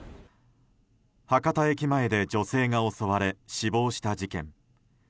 博多駅前で女性が襲われ死亡した事件。